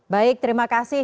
baik terima kasih